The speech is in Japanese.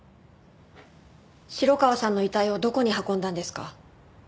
城川さんの遺体をどこに運んだんですか？